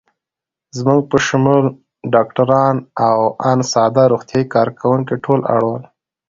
زموږ په شمول ډاکټران او آن ساده روغتیايي کارکوونکي ټول اړ ول.